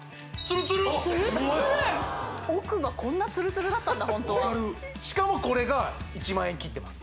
ツルッツル奥がこんなツルツルだったんだホントはしかもこれが１万円切ってます